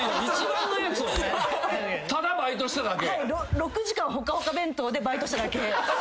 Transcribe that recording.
６時間ほっかほっか弁当でバイトしただけ。